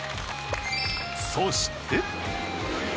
そしてえ